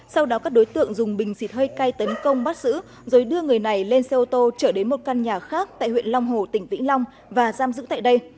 sau đó các đối tượng dùng bình xịt hơi cay tấn công bắt giữ rồi đưa người này lên xe ô tô trở đến một căn nhà khác tại huyện long hồ tỉnh vĩnh long và giam giữ tại đây